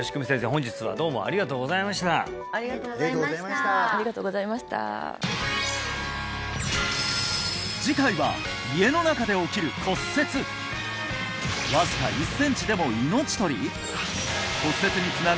本日はどうもありがとうございましたありがとうございましたありがとうございました次回は家の中で起きる「骨折」わずか１センチでも命取り？